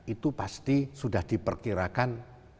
itu pasti sudah diperkirakan